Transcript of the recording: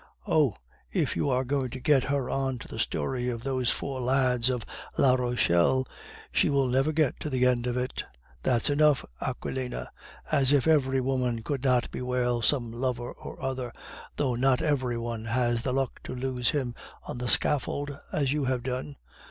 "Oh, if you are going to get her on to the story of those four lads of La Rochelle, she will never get to the end of it. That's enough, Aquilina. As if every woman could not bewail some lover or other, though not every one has the luck to lose him on the scaffold, as you have done.